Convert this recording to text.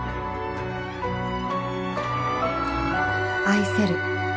愛せる。